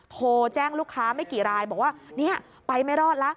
โทรแจ้งลูกค้าไม่กี่รายบอกว่าเนี่ยไปไม่รอดละ